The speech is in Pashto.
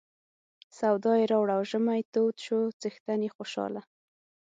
سودا یې راوړه او ژمی تود شو څښتن یې خوشاله.